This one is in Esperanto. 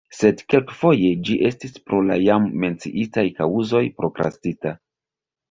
Sed kelkfoje ĝi estis pro la jam menciitaj kaŭzoj prokrastita.